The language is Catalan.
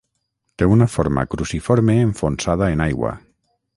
Té una forma cruciforme enfonsada en aigua.